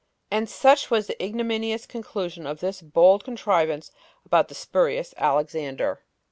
And such was the ignominious conclusion of this bold contrivance about the spurious Alexander.